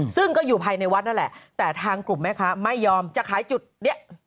ซึ่งก็อยู่ภายในวัดนั่นแหละแต่ทางกลุ่มแม่ค้าไม่ยอมจะขายจุดนี้